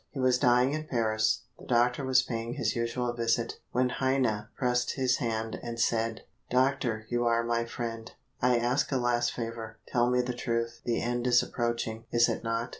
He was dying in Paris. The doctor was paying his usual visit, when Heine pressed his hand and said: "Doctor, you are my friend, I ask a last favor. Tell me the truth the end is approaching, is it not?"